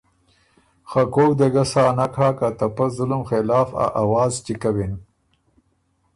خه کوک دې ګۀ سا نک هۀ که ته پۀ ظلم خلاف ا آواز چِګ کوِن